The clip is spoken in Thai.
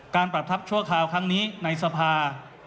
ประทับชั่วคราวครั้งนี้ในสภา